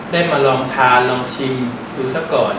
ได้มาลองทานชิมดูสเมืองก่อน